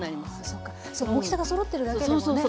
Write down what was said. そうか大きさがそろってるだけでもね。